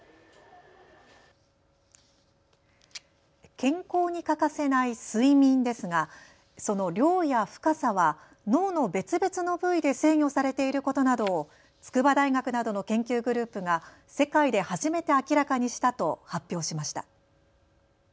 健康に欠かせない睡眠ですがその量や深さは脳の別々の部位で制御されていることなどを筑波大学などの研究グループが世界で初めて明らかにしたと発表しました。